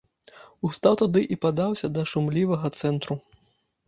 Устаў тады і падаўся да шумлівага цэнтру.